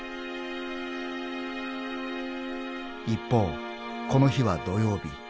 ［一方この日は土曜日］